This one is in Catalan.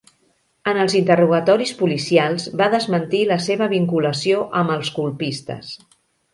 En els interrogatoris policials va desmentir la seva vinculació amb els colpistes.